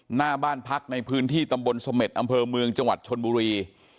หน้าบ้านพักในพื้นที่ตำบลเสม็ดอำเภอเมืองจังหวัดชนบุรี